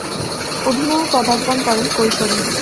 অভিনয়ে পদার্পণ করেন কৈশোরে।